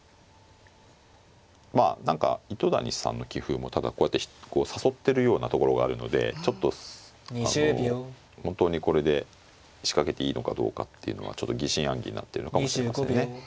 まあ何か糸谷さんの棋風もただこうやってこう誘ってるようなところがあるのでちょっとあの本当にこれで仕掛けていいのかどうかっていうのはちょっと疑心暗鬼になってるのかもしれませんね。